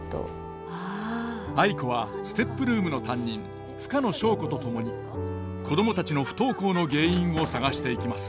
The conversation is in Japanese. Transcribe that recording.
藍子はＳＴＥＰルームの担任深野祥子と共に子供たちの不登校の原因を探していきます。